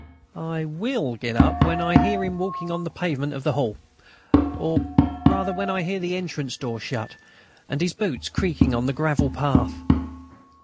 I will get up when I hear him walking on the pavement of the hall, ... or rather when I hear the entrance door shut, and his boots creaking on the gravel path...."